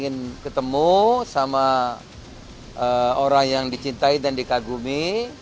eee orang yang dicintai dan dikagumi